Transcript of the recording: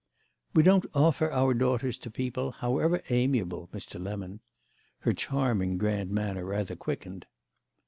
"We don't offer our daughters to people, however amiable, Mr. Lemon." Her charming grand manner rather quickened.